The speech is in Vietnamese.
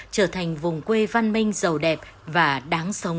trở thành vùng quê văn minh giàu đẹp và đáng sống